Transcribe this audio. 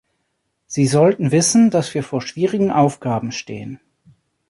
Sie sollten wissen, dass wir vor schwierigen Aufgaben stehen.